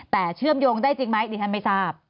แต่เชื่อมโยงได้จริงไหมดิฉันไม่ทราบ